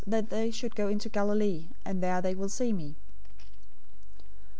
"} that they should go into Galilee, and there they will see me."